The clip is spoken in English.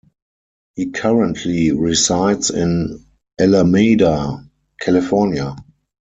He currently resides in Alameda, California.